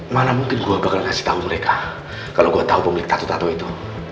mana mungkin gue bakal ngasih tau mereka kalau gue tau pemilik tattoo tattoo itu